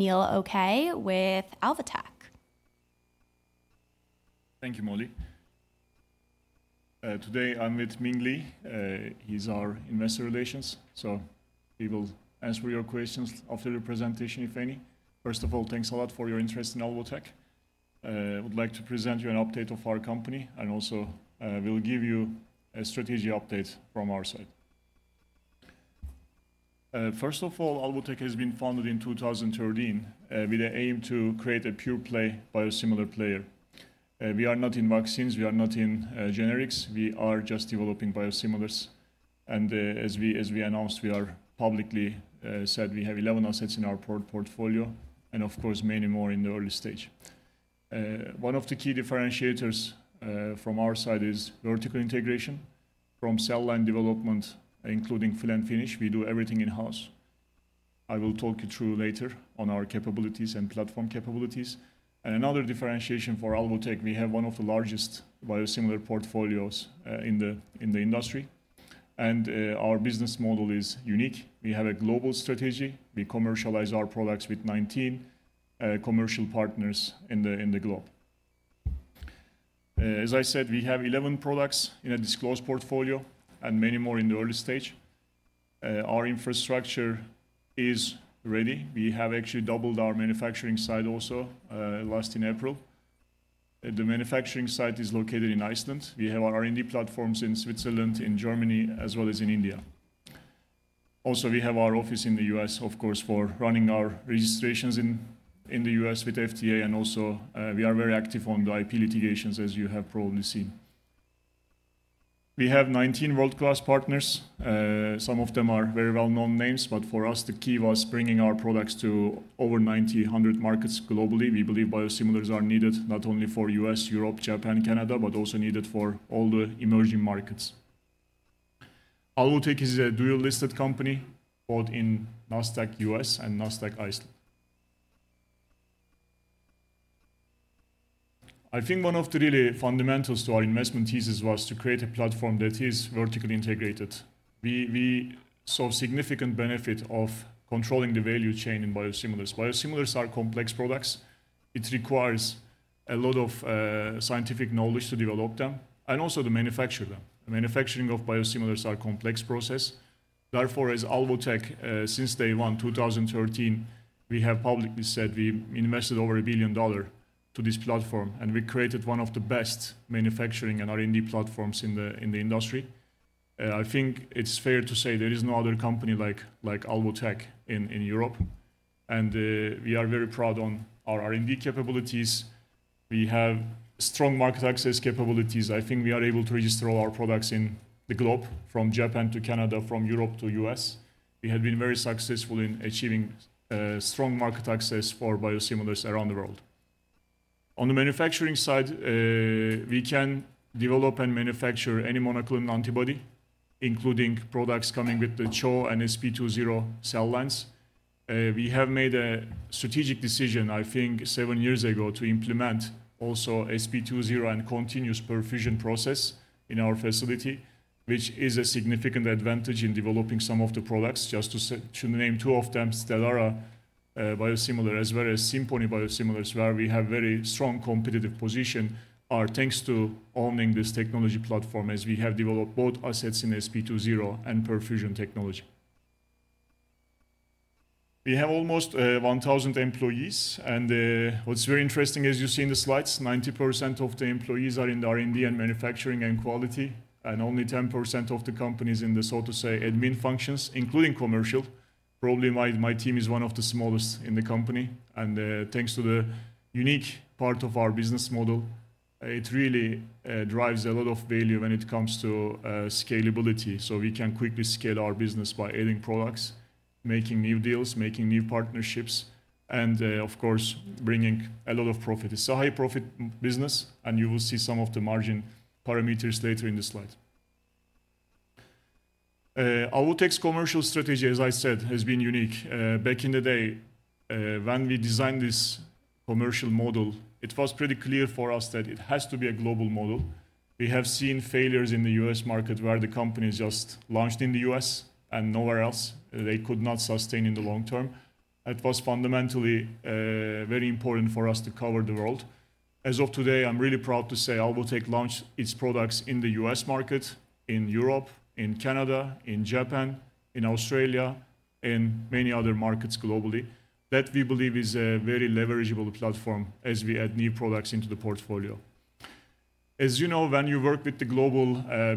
Anil Okay with Alvotech. Thank you, Molly. Today I'm with Ming Li. He's our Investor Relations, so he will answer your questions after the presentation, if any. First of all, thanks a lot for your interest in Alvotech. I would like to present you an update of our company, and also we'll give you a strategy update from our side. First of all, Alvotech has been founded in 2013 with the aim to create a pure play biosimilar player. We are not in vaccines, we are not in generics, we are just developing biosimilars. And as we announced, we have publicly said we have 11 assets in our portfolio, and of course many more in the early stage. One of the key differentiators from our side is vertical integration from cell line development, including fill and finish. We do everything in-house. I will talk you through later on our capabilities and platform capabilities. Another differentiation for Alvotech, we have one of the largest biosimilar portfolios in the industry, and our business model is unique. We have a global strategy. We commercialize our products with 19 commercial partners in the globe. As I said, we have 11 products in a disclosed portfolio and many more in the early stage. Our infrastructure is ready. We have actually doubled our manufacturing site also last in April. The manufacturing site is located in Iceland. We have our R&D platforms in Switzerland, in Germany, as well as in India. Also, we have our office in the U.S., of course, for running our registrations in the U.S. with FDA, and also we are very active on the IP litigations, as you have probably seen. We have 19 world-class partners. Some of them are very well-known names, but for us, the key was bringing our products to over 9,000 markets globally. We believe biosimilars are needed not only for U.S., Europe, Japan, Canada, but also needed for all the emerging markets. Alvotech is a dual-listed company quoted in Nasdaq U.S. and Nasdaq Iceland. I think one of the really fundamentals to our investment thesis was to create a platform that is vertically integrated. We saw significant benefit of controlling the value chain in biosimilars. Biosimilars are complex products. It requires a lot of scientific knowledge to develop them and also to manufacture them. The manufacturing of biosimilars is a complex process. Therefore, as Alvotech, since day one, 2013, we have publicly said we invested over $1 billion to this platform, and we created one of the best manufacturing and R&D platforms in the industry. I think it's fair to say there is no other company like Alvotech in Europe, and we are very proud of our R&D capabilities. We have strong market access capabilities. I think we are able to register all our products in the globe from Japan to Canada, from Europe to U.S. We have been very successful in achieving strong market access for biosimilars around the world. On the manufacturing side, we can develop and manufacture any monoclonal antibody, including products coming with the CHO and Sp2/0 cell lines. We have made a strategic decision, I think, seven years ago to implement also Sp2/0 and continuous perfusion process in our facility, which is a significant advantage in developing some of the products. Just to name two of them, Stelara biosimilar, as well as Simponi biosimilars, where we have a very strong competitive position thanks to owning this technology platform as we have developed both assets in Sp2/0 and perfusion technology. We have almost 1,000 employees, and what's very interesting, as you see in the slides, 90% of the employees are in R&D and manufacturing and quality, and only 10% of the company is in the, so to say, admin functions, including commercial. Probably why my team is one of the smallest in the company. And thanks to the unique part of our business model, it really drives a lot of value when it comes to scalability. So we can quickly scale our business by adding products, making new deals, making new partnerships, and of course, bringing a lot of profit. It's a high-profit business, and you will see some of the margin parameters later in the slide. Alvotech's commercial strategy, as I said, has been unique. Back in the day, when we designed this commercial model, it was pretty clear for us that it has to be a global model. We have seen failures in the US market where the company is just launched in the US and nowhere else. They could not sustain in the long term. It was fundamentally very important for us to cover the world. As of today, I'm really proud to say Alvotech launched its products in the US market, in Europe, in Canada, in Japan, in Australia, and many other markets globally. That we believe is a very leverageable platform as we add new products into the portfolio. As you know, when you work with the global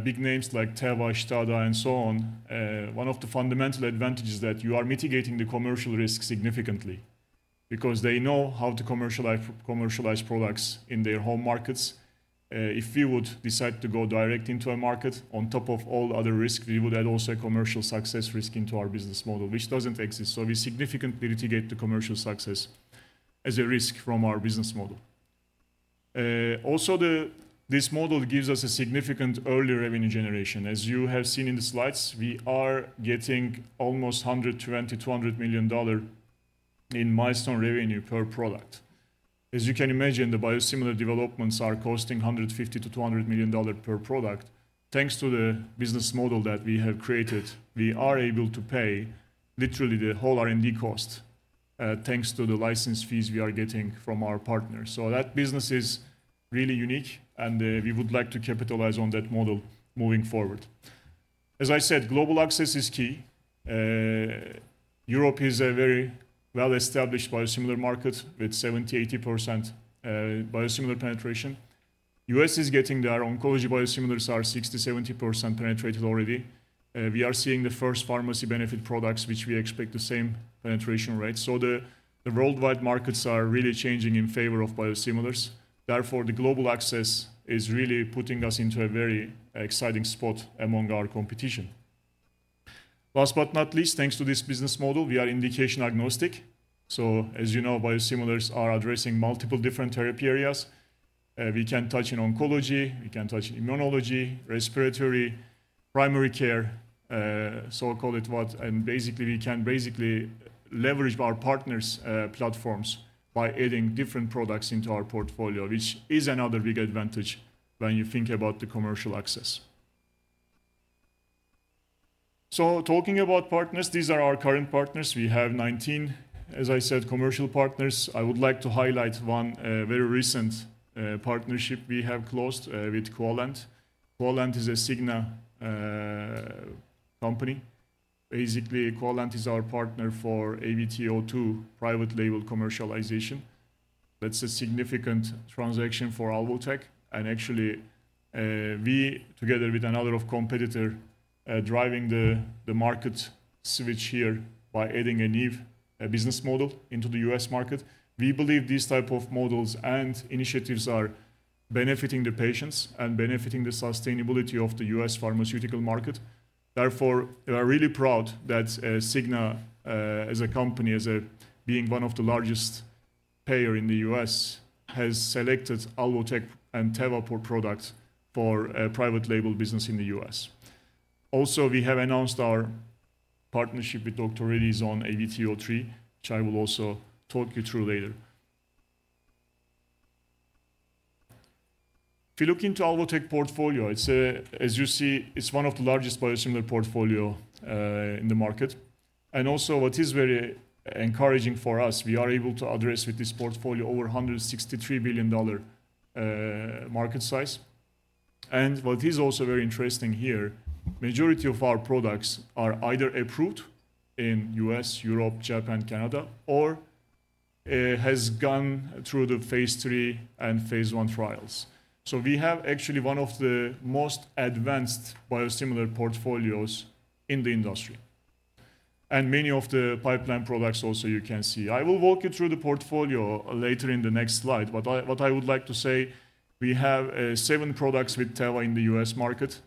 big names like Teva, STADA, and so on, one of the fundamental advantages is that you are mitigating the commercial risk significantly because they know how to commercialize products in their home markets. If we would decide to go direct into a market on top of all other risks, we would add also a commercial success risk into our business model, which doesn't exist. So we significantly mitigate the commercial success as a risk from our business model. Also, this model gives us a significant early revenue generation. As you have seen in the slides, we are getting almost $120 million-$200 million in milestone revenue per product. As you can imagine, the biosimilar developments are costing $150 million-$200 million per product. Thanks to the business model that we have created, we are able to pay literally the whole R&D cost thanks to the license fees we are getting from our partners. So that business is really unique, and we would like to capitalize on that model moving forward. As I said, global access is key. Europe is a very well-established biosimilar market with 70%-80% biosimilar penetration. The U.S. is getting there. Oncology biosimilars are 60%-70% penetrated already. We are seeing the first pharmacy benefit products, which we expect the same penetration rate. So the worldwide markets are really changing in favor of biosimilars. Therefore, the global access is really putting us into a very exciting spot among our competition. Last but not least, thanks to this business model, we are indication agnostic. So, as you know, biosimilars are addressing multiple different therapy areas. We can touch on oncology, we can touch immunology, respiratory, primary care, so call it what, and basically we can basically leverage our partners' platforms by adding different products into our portfolio, which is another big advantage when you think about the commercial access. So, talking about partners, these are our current partners. We have 19, as I said, commercial partners. I would like to highlight one very recent partnership we have closed with Quallent. Quallent is a Cigna company. Basically, Quallent is our partner for AVT02 private label commercialization. That's a significant transaction for Alvotech. And actually, we, together with another competitor, are driving the market switch here by adding a new business model into the US market. We believe these types of models and initiatives are benefiting the patients and benefiting the sustainability of the US pharmaceutical market. Therefore, we are really proud that Cigna, as a company, as being one of the largest players in the U.S., has selected Alvotech and Teva products for private label business in the U.S. Also, we have announced our partnership with Dr. Reddy on AVT03, which I will also talk you through later. If you look into Alvotech's portfolio, as you see, it's one of the largest biosimilar portfolios in the market. Also, what is very encouraging for us, we are able to address with this portfolio over $163 billion market size. What is also very interesting here, the majority of our products are either approved in the U.S., Europe, Japan, Canada, or have gone through the phase three and phase one trials. So we have actually one of the most advanced biosimilar portfolios in the industry. Many of the pipeline products also, you can see. I will walk you through the portfolio later in the next slide, but what I would like to say, we have seven products with Teva in the U.S. market.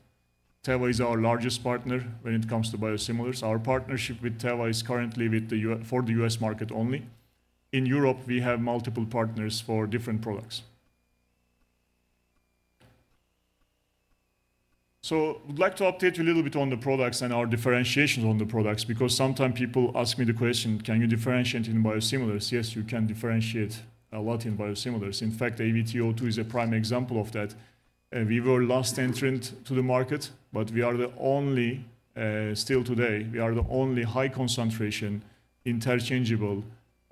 Teva is our largest partner when it comes to biosimilars. Our partnership with Teva is currently for the U.S. market only. In Europe, we have multiple partners for different products. So I would like to update you a little bit on the products and our differentiation on the products because sometimes people ask me the question, can you differentiate in biosimilars? Yes, you can differentiate a lot in biosimilars. In fact, AVT02 is a prime example of that. We were last entered into the market, but we are the only still today, we are the only high-concentration interchangeable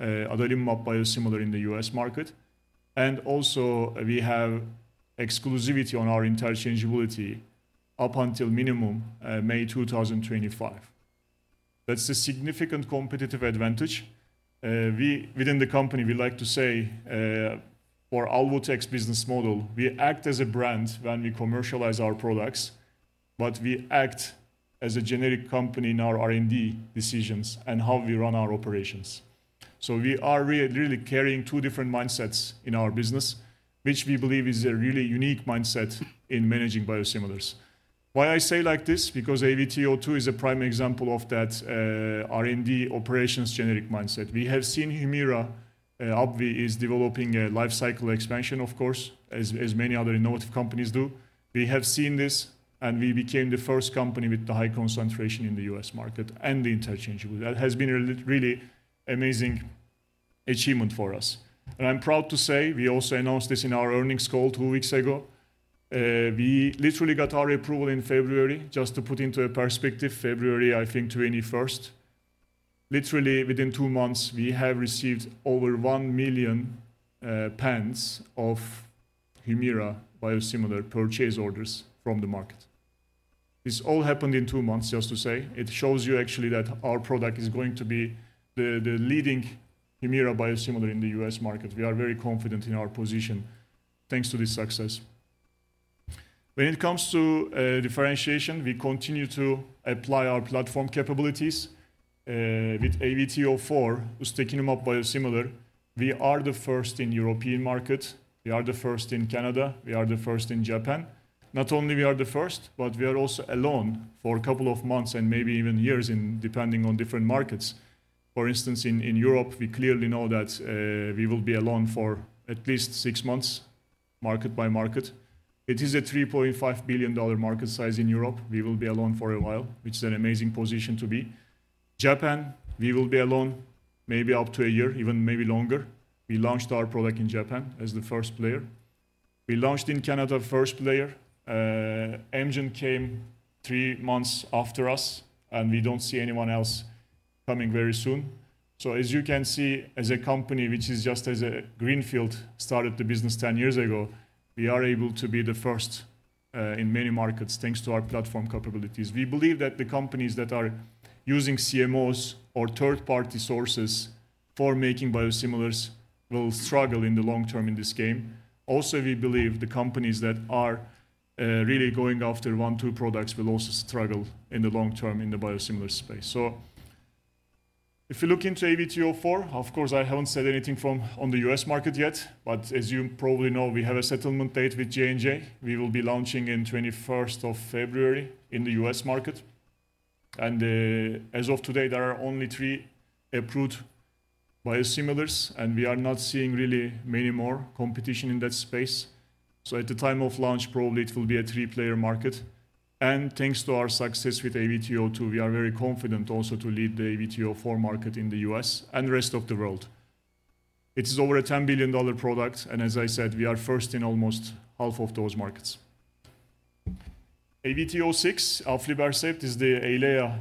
adalimumab biosimilar in the U.S. market. And also, we have exclusivity on our interchangeability up until minimum May 2025. That's a significant competitive advantage. Within the company, we like to say, for Alvotech's business model, we act as a brand when we commercialize our products, but we act as a generic company in our R&D decisions and how we run our operations. So we are really carrying two different mindsets in our business, which we believe is a really unique mindset in managing biosimilars. Why I say like this? Because AVT02 is a prime example of that R&D operations generic mindset. We have seen Humira, AbbVie is developing a life cycle expansion, of course, as many other innovative companies do. We have seen this, and we became the first company with the high concentration in the U.S. market and the interchangeability. That has been a really amazing achievement for us. And I'm proud to say we also announced this in our earnings call two weeks ago. We literally got our approval in February. Just to put into perspective, February, I think 21st, literally within two months, we have received over 1 million pens of Humira biosimilar purchase orders from the market. This all happened in two months, just to say. It shows you actually that our product is going to be the leading Humira biosimilar in the U.S. market. We are very confident in our position thanks to this success. When it comes to differentiation, we continue to apply our platform capabilities. With AVT04, with Stelara biosimilar, we are the first in the European market. We are the first in Canada. We are the first in Japan. Not only are we the first, but we are also alone for a couple of months and maybe even years, depending on different markets. For instance, in Europe, we clearly know that we will be alone for at least 6 months, market by market. It is a $3.5 billion market size in Europe. We will be alone for a while, which is an amazing position to be. Japan, we will be alone maybe up to a year, even maybe longer. We launched our product in Japan as the first player. We launched in Canada, first player. Amgen came 3 months after us, and we don't see anyone else coming very soon. So, as you can see, as a company which is just as a greenfield, started the business 10 years ago, we are able to be the first in many markets thanks to our platform capabilities. We believe that the companies that are using CMOs or third-party sources for making biosimilars will struggle in the long term in this game. Also, we believe the companies that are really going after one-two products will also struggle in the long term in the biosimilar space. So, if you look into AVT04, of course, I haven't said anything from on the U.S. market yet, but as you probably know, we have a settlement date with J&J. We will be launching on the 21st of February in the U.S. market. And as of today, there are only three approved biosimilars, and we are not seeing really many more competition in that space. So, at the time of launch, probably it will be a three-player market. And thanks to our success with AVT02, we are very confident also to lead the AVT04 market in the U.S. and the rest of the world. It is over a $10 billion product, and as I said, we are first in almost half of those markets. AVT06, aflibercept, is the Eylea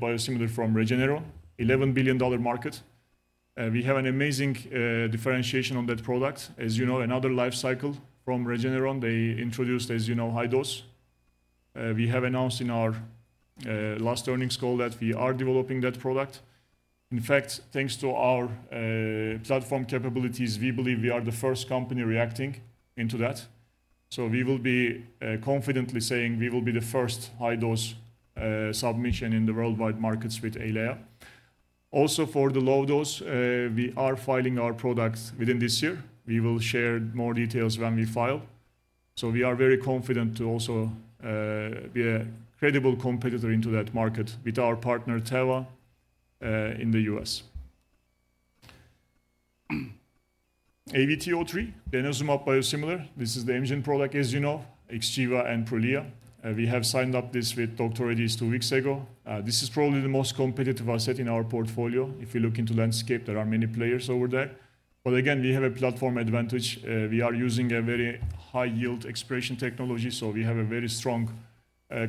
biosimilar from Regeneron, $11 billion market. We have an amazing differentiation on that product. As you know, another life cycle from Regeneron, they introduced, as you know, high dose. We have announced in our last earnings call that we are developing that product. In fact, thanks to our platform capabilities, we believe we are the first company reacting into that. So, we will be confidently saying we will be the first high-dose submission in the worldwide markets with Eylea. Also, for the low dose, we are filing our product within this year. We will share more details when we file. So, we are very confident to also be a credible competitor into that market with our partner Teva in the U.S. AVT03, denosumab biosimilar, this is the Amgen product, as you know, Xgeva and Prolia. We have signed up this with Dr. Reddy two weeks ago. This is probably the most competitive asset in our portfolio. If you look into landscape, there are many players over there. But again, we have a platform advantage. We are using a very high-yield expression technology, so we have a very strong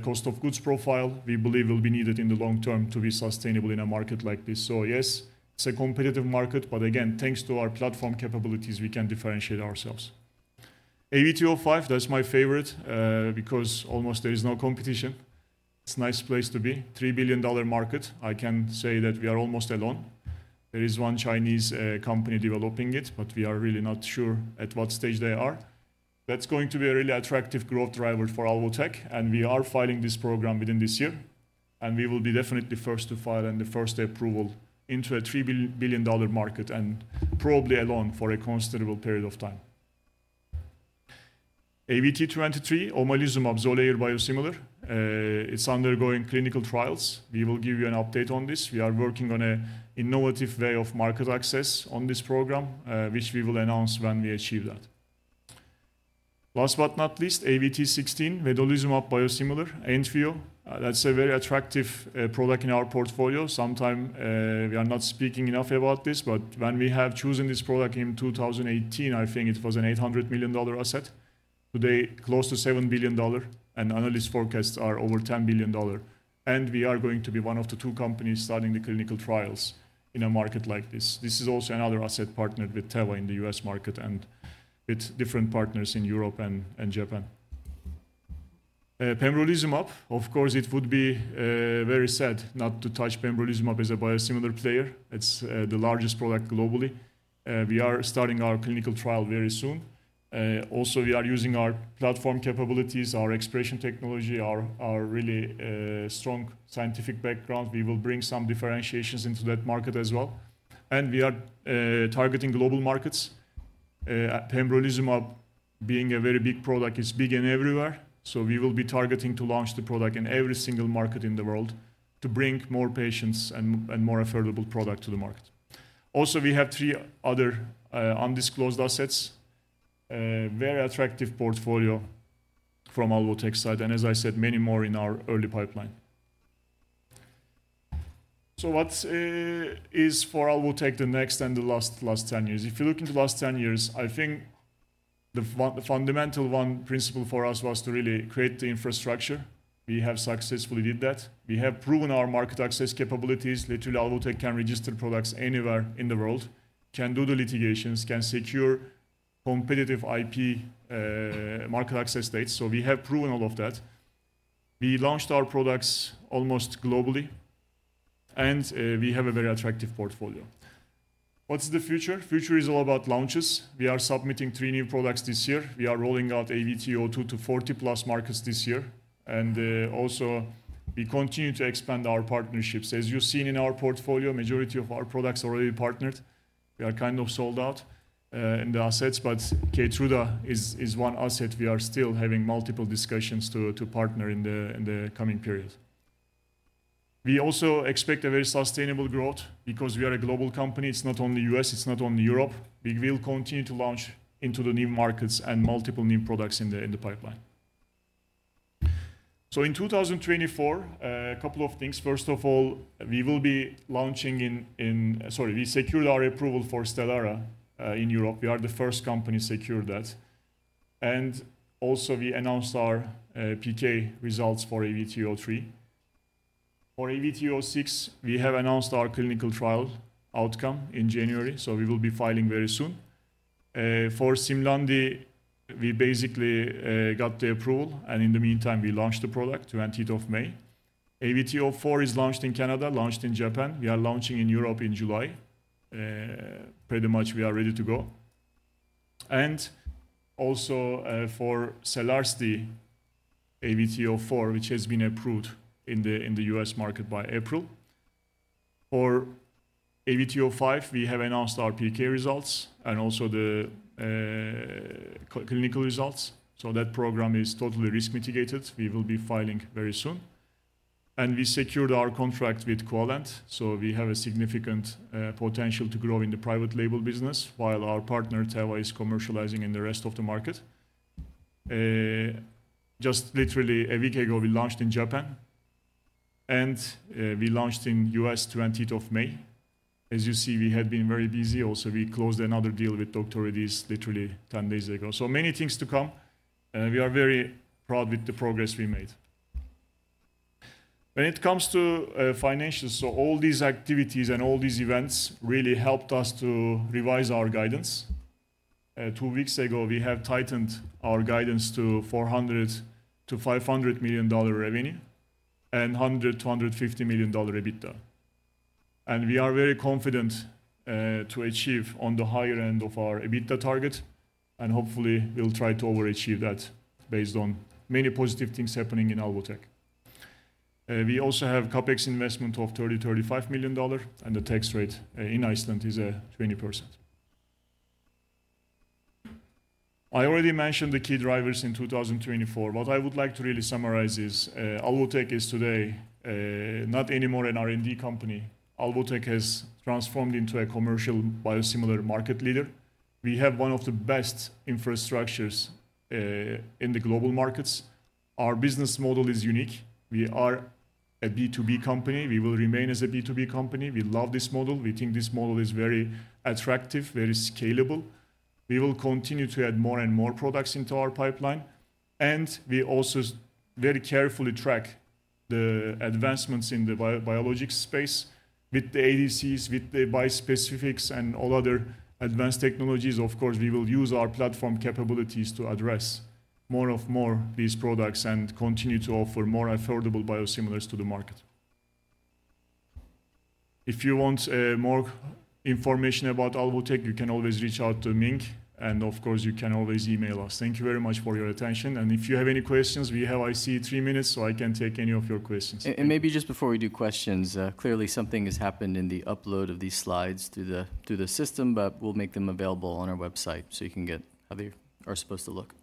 cost of goods profile we believe will be needed in the long term to be sustainable in a market like this. So, yes, it's a competitive market, but again, thanks to our platform capabilities, we can differentiate ourselves. AVT05, that's my favorite because almost there is no competition. It's a nice place to be. $3 billion market, I can say that we are almost alone. There is one Chinese company developing it, but we are really not sure at what stage they are. That's going to be a really attractive growth driver for Alvotech, and we are filing this program within this year. We will be definitely first to file and the first approval into a $3 billion market and probably alone for a considerable period of time. AVT23, omalizumab, Xolair biosimilar. It's undergoing clinical trials. We will give you an update on this. We are working on an innovative way of market access on this program, which we will announce when we achieve that. Last but not least, AVT16, vedolizumab biosimilar, Entyvio. That's a very attractive product in our portfolio. Sometimes we are not speaking enough about this, but when we have chosen this product in 2018, I think it was an $800 million asset. Today, close to $7 billion, and analyst forecasts are over $10 billion. And we are going to be one of the two companies starting the clinical trials in a market like this. This is also another asset partnered with Teva in the U.S. market and with different partners in Europe and Japan. pembrolizumab, of course, it would be very sad not to touch pembrolizumab as a biosimilar player. It's the largest product globally. We are starting our clinical trial very soon. Also, we are using our platform capabilities, our expression technology, our really strong scientific background. We will bring some differentiations into that market as well. And we are targeting global markets. pembrolizumab, being a very big product, is big and everywhere. So, we will be targeting to launch the product in every single market in the world to bring more patients and more affordable product to the market. Also, we have three other undisclosed assets, a very attractive portfolio from Alvotech's side, and as I said, many more in our early pipeline. So, what is for Alvotech the next and the last 10 years? If you look into the last 10 years, I think the fundamental one principle for us was to really create the infrastructure. We have successfully did that. We have proven our market access capabilities. Literally, Alvotech can register products anywhere in the world, can do the litigations, can secure competitive IP market access states. So, we have proven all of that. We launched our products almost globally, and we have a very attractive portfolio. What's the future? Future is all about launches. We are submitting three new products this year. We are rolling out AVT02 to 40+ markets this year. And also, we continue to expand our partnerships. As you've seen in our portfolio, the majority of our products are already partnered. We are kind of sold out in the assets, but Keytruda is one asset we are still having multiple discussions to partner in the coming period. We also expect a very sustainable growth because we are a global company. It's not only the US, it's not only Europe. We will continue to launch into the new markets and multiple new products in the pipeline. So, in 2024, a couple of things. First of all, we will be launching in, sorry, we secured our approval for Stelara in Europe. We are the first company secured that. And also, we announced our PK results for AVT03. For AVT06, we have announced our clinical trial outcome in January, so we will be filing very soon. For Simlandi, we basically got the approval, and in the meantime, we launched the product to the 20th of May. AVT04 is launched in Canada, launched in Japan. We are launching in Europe in July. Pretty much, we are ready to go. Also for Selarsdi, AVT04, which has been approved in the US market by April. For AVT05, we have announced our PK results and also the clinical results. That program is totally risk mitigated. We will be filing very soon. We secured our contract with Quallent, so we have a significant potential to grow in the private label business while our partner Teva is commercializing in the rest of the market. Just literally, a week ago, we launched in Japan, and we launched in the US on the 20th of May. As you see, we had been very busy. Also, we closed another deal with Dr. Reddy literally 10 days ago. Many things to come. We are very proud of the progress we made. When it comes to financials, all these activities and all these events really helped us to revise our guidance. Two weeks ago, we have tightened our guidance to $400 million-$500 million revenue and $100 million-$150 million EBITDA. We are very confident to achieve on the higher end of our EBITDA target, and hopefully, we'll try to overachieve that based on many positive things happening in Alvotech. We also have CapEx investment of $30 million-$35 million, and the tax rate in Iceland is 20%. I already mentioned the key drivers in 2024. What I would like to really summarize is Alvotech is today not anymore an R&D company. Alvotech has transformed into a commercial biosimilar market leader. We have one of the best infrastructures in the global markets. Our business model is unique. We are a B2B company. We will remain as a B2B company. We love this model. We think this model is very attractive, very scalable. We will continue to add more and more products into our pipeline. And we also very carefully track the advancements in the biologics space with the ADCs, with the bispecifics, and all other advanced technologies. Of course, we will use our platform capabilities to address more of more of these products and continue to offer more affordable biosimilars to the market. If you want more information about Alvotech, you can always reach out to Ming, and of course, you can always email us. Thank you very much for your attention. And if you have any questions, we have, I see, three minutes, so I can take any of your questions. Maybe just before we do questions, clearly, something has happened in the upload of these slides through the system, but we'll make them available on our website so you can get how they are supposed to look.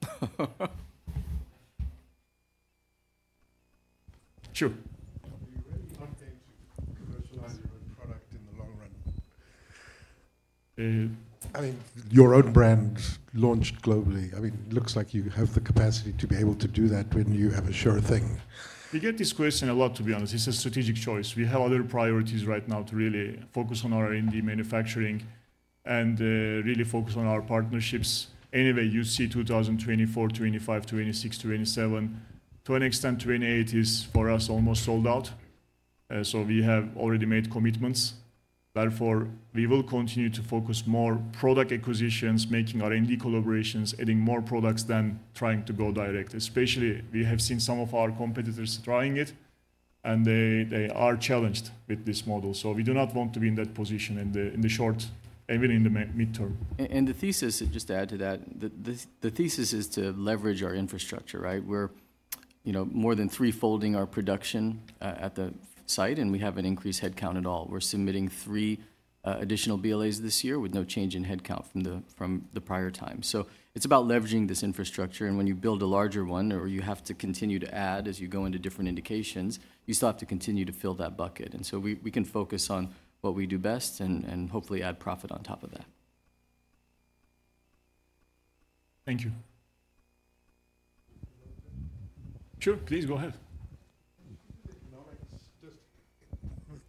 Sure. Are you ready to update to commercialize your own product in the long run? I mean, your own brand launched globally. I mean, it looks like you have the capacity to be able to do that when you have a sure thing. We get this question a lot, to be honest. It's a strategic choice. We have other priorities right now to really focus on our R&D manufacturing and really focus on our partnerships. Anyway, you see 2024, 2025, 2026, 2027. To an extent, 2028 is for us almost sold out. So, we have already made commitments. Therefore, we will continue to focus more on product acquisitions, making R&D collaborations, adding more products than trying to go direct. Especially, we have seen some of our competitors trying it, and they are challenged with this model. We do not want to be in that position in the short and even in the midterm. The thesis, just to add to that, the thesis is to leverage our infrastructure, right? We're more than threefolding our production at the site, and we haven't increased headcount at all. We're submitting three additional BLAs this year with no change in headcount from the prior time. It's about leveraging this infrastructure. When you build a larger one or you have to continue to add as you go into different indications, you still have to continue to fill that bucket. We can focus on what we do best and hopefully add profit on top of that. Thank you. Sure, please go ahead.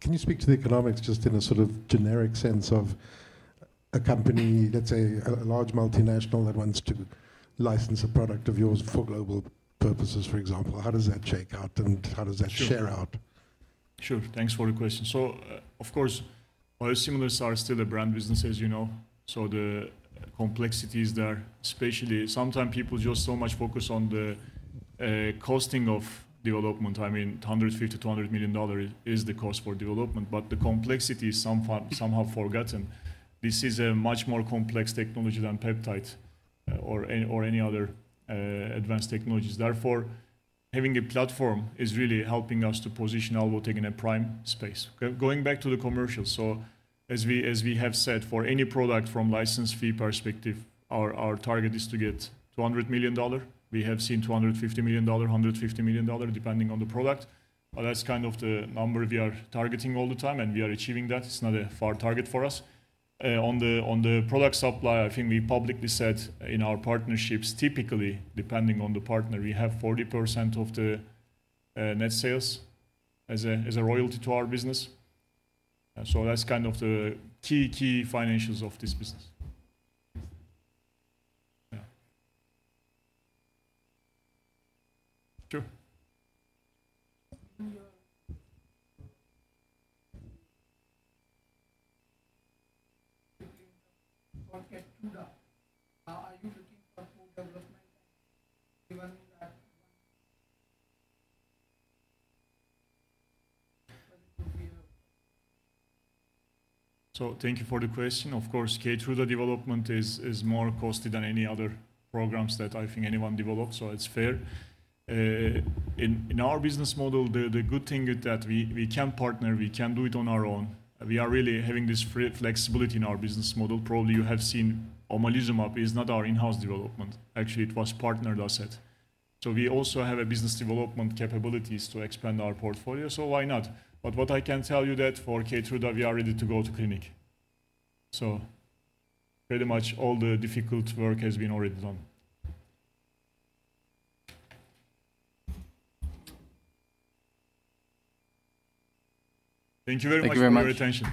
Can you speak to the economics just in a sort of generic sense of a company, let's say a large multinational that wants to license a product of yours for global purposes, for example? How does that shake out and how does that share out? Sure. Thanks for the question. So, of course, biosimilars are still a brand business, as you know. So, the complexities there, especially sometimes people just so much focus on the costing of development. I mean, $150 million-$200 million is the cost for development, but the complexity is somehow forgotten. This is a much more complex technology than peptide or any other advanced technologies. Therefore, having a platform is really helping us to position Alvotech in a prime space. Going back to the commercial, so as we have said, for any product from a license fee perspective, our target is to get $200 million. We have seen $250 million, $150 million depending on the product. But that's kind of the number we are targeting all the time, and we are achieving that. It's not a far target for us. On the product supply, I think we publicly said in our partnerships, typically, depending on the partner, we have 40% of the net sales as a royalty to our business. So, that's kind of the key, key financials of this business. Sure. Are you looking for full development? So, thank you for the question. Of course, Keytruda development is more costly than any other programs that I think anyone develops, so it's fair. In our business model, the good thing is that we can partner, we can do it on our own. We are really having this flexibility in our business model. Probably you have seen omalizumab is not our in-house development. Actually, it was partnered asset. So, we also have business development capabilities to expand our portfolio, so why not? But what I can tell you is that for Keytruda, we are ready to go to clinic. So, pretty much all the difficult work has been already done. Thank you very much for your attention.